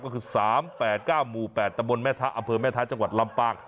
ก็คือ๓๘๙หมู่๘ตะบนแม่ทะอำเภอแม่ท้าจังหวัดลำปาง